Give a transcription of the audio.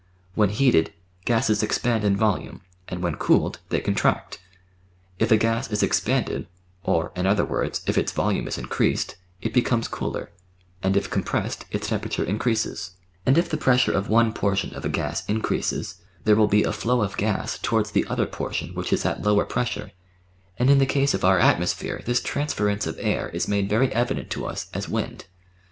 When heated, gases expand in volume, and when cooled, they contract. If a gas is expanded, or, in other words, if its volume is increased, it becomes cooler, and if compressed its temperature increases. 770 The Outline of Science And if the pressure of one portion of a gas increases, there will be a flow of gas towards the other portion which is at lower pressure, and in the case of our atmosphere this transference of air is made very evident to us as wind.